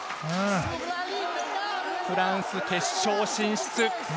フランス、決勝進出。